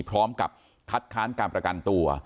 พร้อมกับคัดค้านการประกันตัว